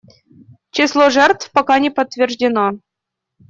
Число жертв пока не подтверждено.